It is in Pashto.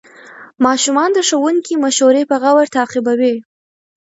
ماشومان د ښوونکي مشورې په غور تعقیبوي